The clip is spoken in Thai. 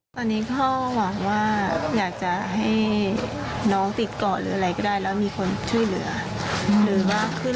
ตอนนี้พ่อหวังว่าอยากจะให้น้องติดเกาะหรืออะไรก็ได้แล้วมีคนช่วยเหลือลือมากขึ้น